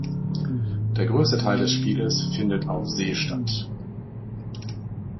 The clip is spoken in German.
Der größte Teil des Spieles findet auf See statt.